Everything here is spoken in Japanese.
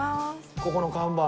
ここの看板。